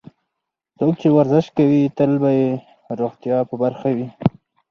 څوک چې ورزش کوي، تل به یې روغتیا په برخه وي.